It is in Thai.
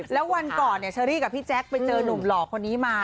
และวันก่อนฉะลี้กับพี่แจ็คครึ่งเจอหนุ่มหล่อคนนี้มา